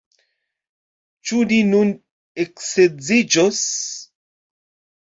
Ĉu ni nun eksedziĝos!